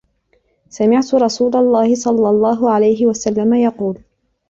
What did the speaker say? سَمِعْتُ رسُولَ اللهِ صَلَّى اللهُ عَلَيْهِ وَسَلَّمَ يَقُولُ: